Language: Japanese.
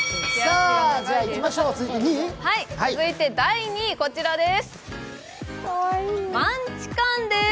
続いて第２位はこちらです。